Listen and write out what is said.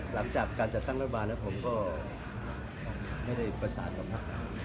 หลังจากการจัดตั้งรัฐบาลแล้วผมก็ไม่ได้ประสานกับพัก